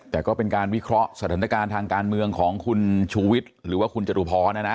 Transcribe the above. แต่ก็เป็นการวิเคราะห์สถานการณ์ทางการเมืองของคุณชูวิทย์หรือว่าคุณจตุพรนะนะ